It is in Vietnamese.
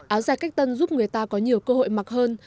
áo dài cách tân giúp người ta có nhiều cơ hội mặc hơn